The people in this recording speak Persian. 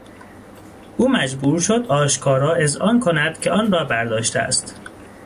او مجبور شد آشکارا اذعان کند که آنرا برداشته است.